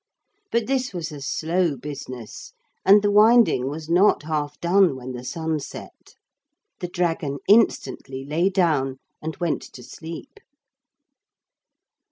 But this was a slow business and the winding was not half done when the sun set. The dragon instantly lay down and went to sleep.